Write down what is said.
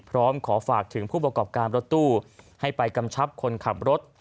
พร้อมขอฝากถึงผู้ประกอบการรถตู้ให้ไปกำชับคนขับรถ